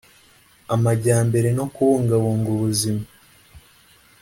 amajyambere no kubungabunga ubuzima